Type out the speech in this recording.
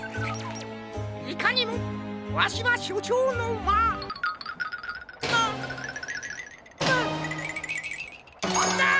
いかにもわしはしょちょうのマままま！